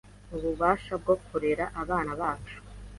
Ububasha bwo kurera abana bacu